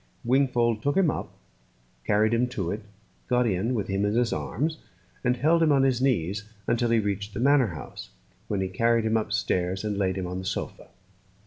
Wingfold took him up, carried him to it, got in with him in his arms, and held him on his knees until he reached the manor house, when he carried him upstairs and laid him on the sofa.